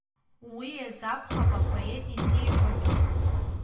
Уи азы акәхоит апоет изиҳәогьы …